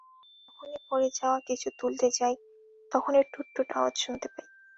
কারণ, যখনই পড়ে যাওয়া কিছু তুলতে যাই, তখনই টু-টু আওয়াজ শুনতে পাই।